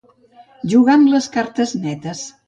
Jugar amb cartes netes.